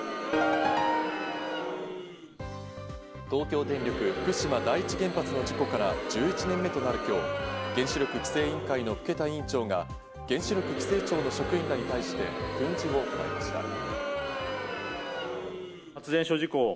東京電力福島第一原発の事故から１１年目となる今日、原子力規制委員会の更田委員長が原子力規制庁の職員らに対して訓示を行いました。